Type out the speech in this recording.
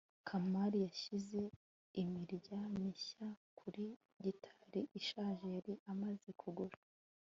kamali yashyize imirya mishya kuri gitari ishaje yari amaze kugura